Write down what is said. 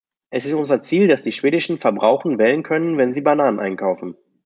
Es ist unser Ziel, dass die schwedischen Verbrauchen wählen können, wenn sie Bananen einkaufen.